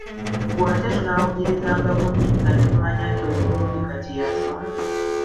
Ggwe ate tunaawunyirizanga buwunyiriza ne tumanya nti oyo gundi kati yasonze?